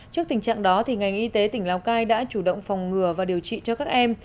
trước tình trạng đó ngành y tế tỉnh lào cai đã chủ động phòng ngừa và điều trị cho các em